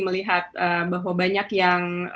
melihat bahwa banyak yang